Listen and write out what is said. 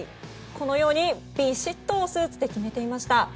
このように、びしっとスーツで決めていました。